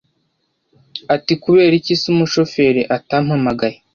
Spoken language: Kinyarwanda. atiKubera iki se umushoferi atampamagaye